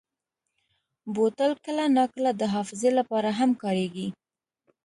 بوتل کله ناکله د حافظې لپاره هم کارېږي.